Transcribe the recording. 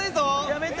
やめて！